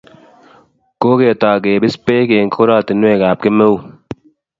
Koketai kebis beek eng' koratinwek ab kemeut